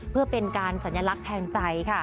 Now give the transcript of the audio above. เพื่อเป็นการสัญลักษณ์แทนใจค่ะ